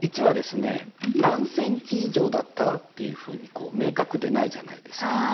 ①はですね何センチ以上だったらっていうふうに明確でないじゃないですか。